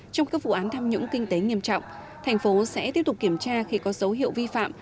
trong các vụ án tham nhũng kinh tế nghiêm trọng thành phố sẽ tiếp tục kiểm tra khi có dấu hiệu vi phạm